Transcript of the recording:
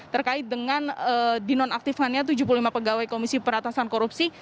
terkait dengan dinonaktifkannya tujuh puluh lima pegawai komisi peratasan korupsi